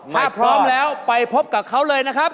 ถ้าพร้อมแล้วไปพบกับเขาเลยนะครับ